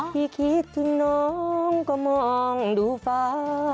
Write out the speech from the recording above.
พี่คิดจุ๊นองก็มองดูฟ้า